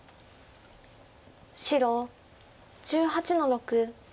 白１８の六。